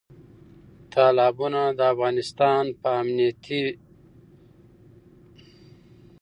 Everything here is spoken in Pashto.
تالابونه د افغانستان په امنیت باندې هم اغېز لري.